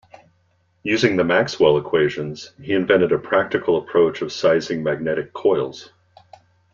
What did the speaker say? Using the Maxwell equations he invented a practical approach of sizing magnetic coils.